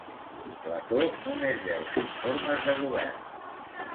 Plató només veu cinc formes de govern.